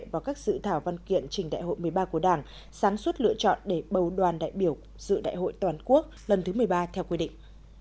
vào các sự thảo văn kiện trình đại hội một mươi ba của đảng sáng suốt lựa chọn để bầu đoàn đại biểu dự đại hội toàn quốc lần thứ một mươi ba theo quy định